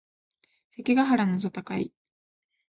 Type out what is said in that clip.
関ヶ原の戦い